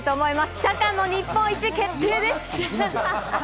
社歌の日本一が決定です。